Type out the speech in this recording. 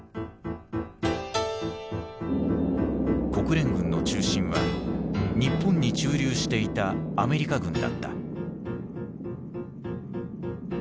国連軍の中心は日本に駐留していたアメリカ軍だった。